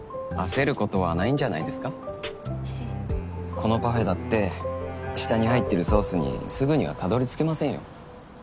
このパフェだって下に入ってるソースにすぐにはたどりつけませんよ。